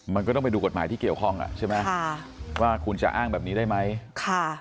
มันก็ต้องไปดูกฎหมายที่เกี่ยวข้องอ่ะใช่ไหมค่ะว่าคุณจะอ้างแบบนี้ได้ไหมค่ะ